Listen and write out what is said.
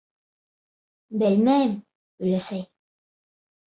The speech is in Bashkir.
— Белмәйем, өләсәй.